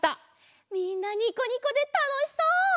みんなにこにこでたのしそう！